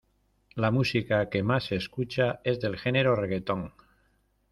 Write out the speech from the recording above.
La música que más se escucha es del género reggaeton.